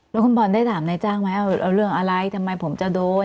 แล้วคุณบอลได้ถามนายจ้างไหมเอาเรื่องอะไรทำไมผมจะโดน